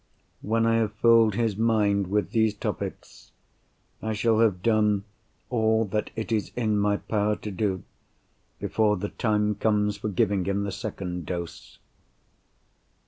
When I have filled his mind with these topics, I shall have done all that it is in my power to do, before the time comes for giving him the second dose.